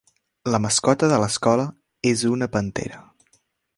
La mascota de l'escola és una pantera.